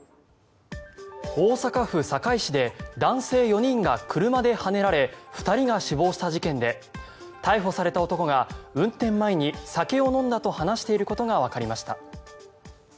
大阪府堺市で男性４人が車ではねられ２人が死亡した事件で逮捕された男が運転前に酒を飲んだと話していることがわかりました。